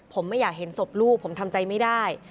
ผมไม่อยากเห็นศพลูกผมทำใจไม่ได้